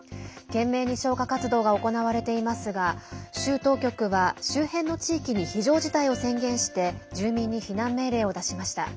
懸命に消火活動が行われていますが州当局は周辺の地域に非常事態を宣言して住民に避難命令を出しました。